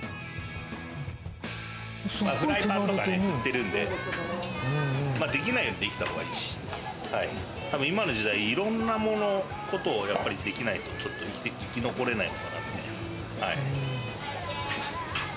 フライパンとか振ってるんで、できないよりはできたほうがいいし、多分、今の時代いろんなことができないと、ちょっと生き残れないかなって。